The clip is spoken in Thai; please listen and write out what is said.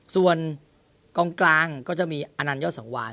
ส่วนกลางก็จะมีอันนันยรสังวาน